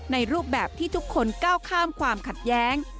รูปแบบที่ทุกคนก้าวข้ามความขัดแย้ง